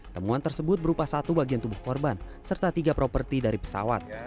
temuan tersebut berupa satu bagian tubuh korban serta tiga properti dari pesawat